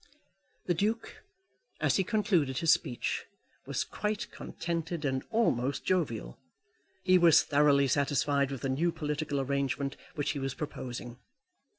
The Duke, as he concluded his speech, was quite contented, and almost jovial. He was thoroughly satisfied with the new political arrangement which he was proposing.